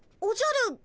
おじゃる？